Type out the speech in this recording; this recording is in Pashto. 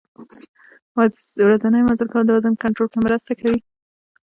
ورځنی مزل کول د وزن کنترول کې مرسته کوي.